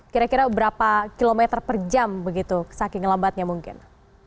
kira kira berapa kilometer per jam begitu saking lambatnya mungkin